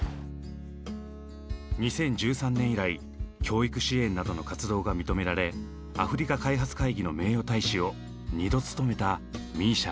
２０１３年以来教育支援などの活動が認められアフリカ開発会議の名誉大使を２度務めたＭＩＳＩＡ。